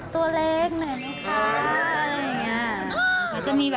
ตัวเล็กเหนื่อยไหมคะอะไรอย่างนี้